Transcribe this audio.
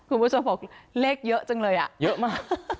คุณผู้ชมบอกเลขเยอะจังเลยอ่ะเยอะมาก